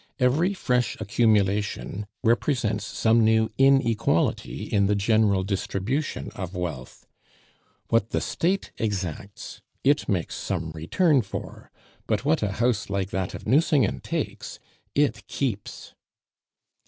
Every fresh accumulation represents some new inequality in the general distribution of wealth. What the State exacts it makes some return for; but what a house like that of Nucingen takes, it keeps.